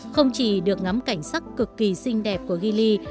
không chỉ được ngắm cảnh sắc cực kỳ xinh đẹp của gilley